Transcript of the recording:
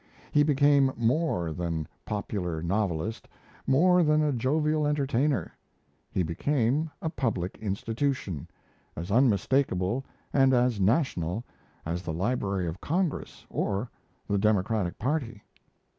He became more than popular novelist, more than a jovial entertainer: he became a public institution, as unmistakable and as national as the Library of Congress or the Democratic Party.